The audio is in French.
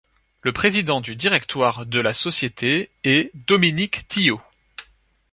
Le président du directoire de la société est Dominique Thillaud.